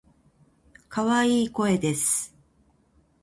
可愛い声です。